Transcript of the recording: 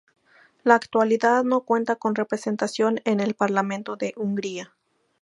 En la actualidad no cuenta con representación en el Parlamento de Hungría.